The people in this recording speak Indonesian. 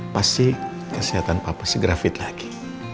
pasti kesehatan papa se gravid lagi